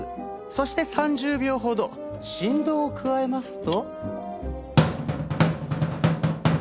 そして３０秒ほど振動を加えますと。